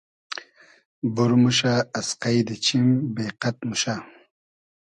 بور موشۂ از قݷدی چیم بې قئد موشۂ